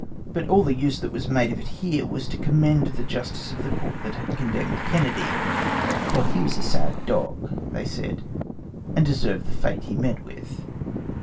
But all the use that was made of it here, was to commend the justice of the court that condemned Kennedy, for he was a sad dog, they said, and deserved the fate he met with.